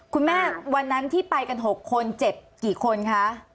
วันนั้นที่ไปกัน๖คนเจ็บกี่คนคะ